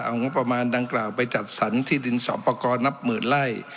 เอางบประมาณดังกล่าวไปจัดสรรที่ดินสอบประกอบนับหมื่นไร่